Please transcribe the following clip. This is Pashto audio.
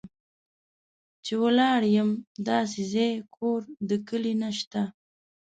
چې ولاړ یم داسې ځای، کور د کلي نه شته